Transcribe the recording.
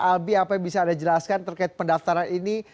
albi apa yang bisa anda jelaskan terkait pendaftaran ini